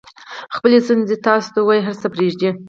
خپلې ستونزې تاسو ته ووایي هر څه پرېږدئ.